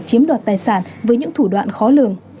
chiếm đoạt tài sản với những thủ đoạn khó lường